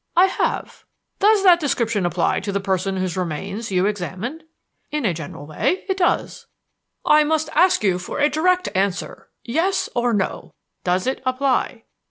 "I have." "Does that description apply to the person whose remains you examined." "In a general way it does." "I must ask you for a direct answer yes or no. Does it apply?"